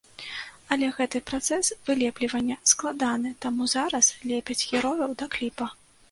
Але гэты працэс вылеплівання складаны, таму зараз лепяць герояў да кліпа.